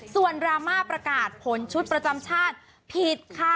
ส่วนดราม่าประกาศผลชุดประจำชาติผิดค่ะ